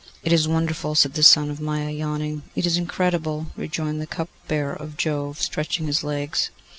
'It is wonderful,' said the son of Maia, yawning. 'It is incredible,' rejoined the cupbearer of Jove, stretching his legs.